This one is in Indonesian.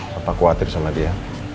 papa khawatir sama dia